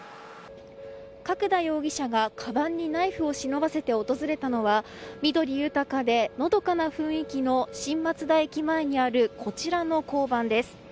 角田容疑者がかばんにナイフを忍ばせて訪れたのは緑豊かでのどかな雰囲気の新松田駅前にあるこちらの交番です。